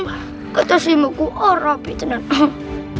gak tersimbuk ku orang bintang